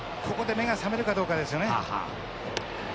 ここで目が覚めるかどうかですよね。